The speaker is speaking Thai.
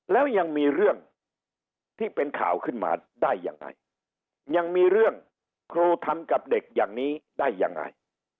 แล้วยังมีเรื่องที่เป็นข่าวขึ้นมาได้ยังไงยังมีเรื่องครูทำกับเด็กอย่างนี้ได้ยังไง